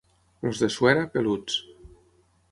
Els de Suera, peluts.